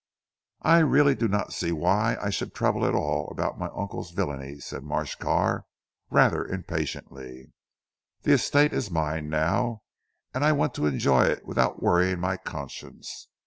"I really do not see why I should trouble at all about my uncle's villainies," said Marsh Carr rather impatiently, "the estate is mine now, and I want to enjoy it without worrying my conscience.